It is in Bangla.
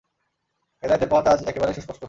হেদায়াতের পথ আজ একেবারেই সুস্পষ্ট।